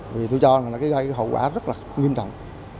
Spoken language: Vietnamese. vì tôi cho là cái hậu quả rất là nghiêm trọng